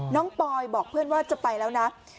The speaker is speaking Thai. ปอยบอกเพื่อนว่าจะไปแล้วนะ